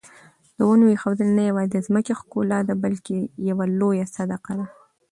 د ونو ایښودل نه یوازې د ځمکې ښکلا ده بلکې یوه لویه صدقه ده.